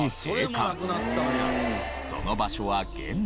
その場所は現在。